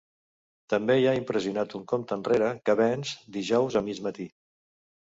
També hi ha impressionat un compte enrere que venç dijous a mig matí.